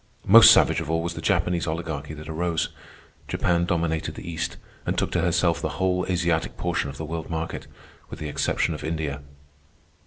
Most savage of all was the Japanese Oligarchy that arose. Japan dominated the East, and took to herself the whole Asiatic portion of the world market, with the exception of India.